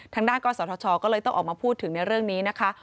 ทางด้านกศธชก็เลยต้องออกมาพูดถึงในเรื่องนี้นะคะ